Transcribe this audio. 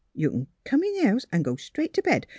You can come in the house an' go straight to bed.